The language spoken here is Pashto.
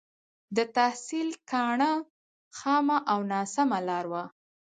د تحصيل کاڼه خامه او ناسمه لاره وه.